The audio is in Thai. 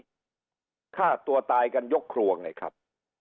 แล้ววิธีฆ่าตัวตายกันยกครัวไงครับ